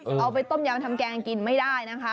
เอาไปต้มยำทำแกงกินไม่ได้นะคะ